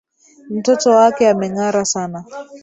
Mtoto wake ameng'ara sana.